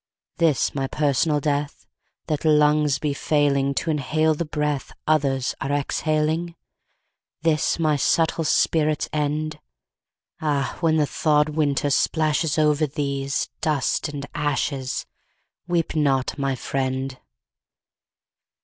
This my personal death? That lungs be failing To inhale the breath Others are exhaling? This my subtle spirit's end? Ah, when the thawed winter splashes Over these chance dust and ashes, Weep not me, my friend!